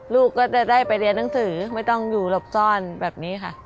ลูกก็จะได้ไปเรียนหนังสือไม่ต้องอยู่หลบซ่อนแบบนี้ค่ะ